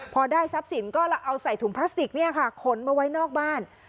พอได้ทรัพย์สินก็เอาใส่ถุงพลาสติกเนี่ยค่ะขนมาไว้นอกบ้าน